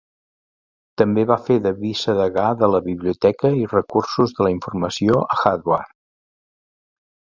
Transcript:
També va fer de vicedegà de la Biblioteca i Recursos de la Informació a Harvard.